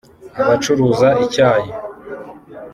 ahacururiza icyayi